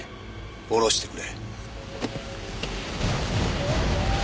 降ろしてくれ。